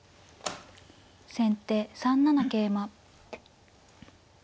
先手３七桂馬。